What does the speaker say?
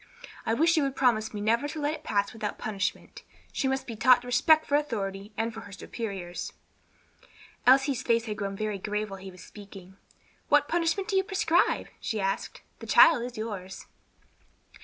I wish you would promise me never to let it pass without punishment. She must be taught respect for authority and for her superiors." Elsie's face had grown very grave while he was speaking. "What punishment do you prescribe?" she asked. "The child is yours."